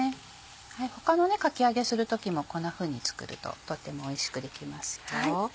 他のかき揚げする時もこんなふうに作るととってもおいしくできますよ。